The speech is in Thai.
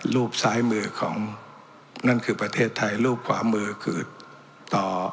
ซ้ายมือของนั่นคือประเทศไทยรูปขวามือคือต่อ